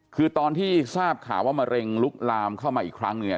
คือตอนที่ทราบข่าวว่ามะเร็งลุกลามเข้ามาอีกครั้งหนึ่งเนี่ย